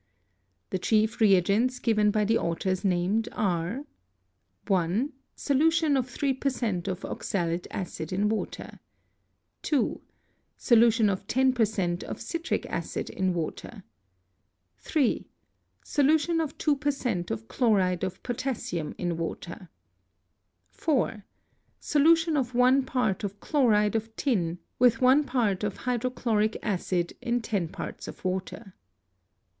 The chief reagents given by the authors named are :— 1. Solution of 3 per cent. of oxalic acid in water. BA MUIO A OL AQ) +1)%,, of citric acid in water. are Do.w icof 2 ,, of chloride of potassium in water. 4. Solution of one part of chloride of tin with one part of hydro chloric acid in 10 parts of water.